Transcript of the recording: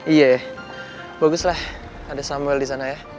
iya ya baguslah ada sambal di sana ya